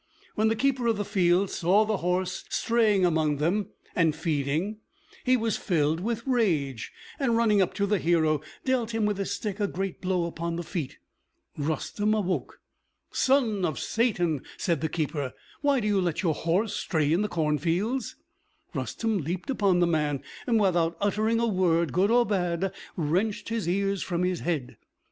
When the keeper of the fields saw the horse straying among them and feeding, he was filled with rage; and running up to the hero, dealt him with his stick a great blow upon the feet. Rustem awoke. "Son of Satan," said the keeper, "why do you let your horse stray in the cornfields?" Rustem leaped upon the man, and without uttering a word good or bad, wrenched his ears from his head.